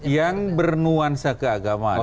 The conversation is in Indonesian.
yang bernuansa keagamaan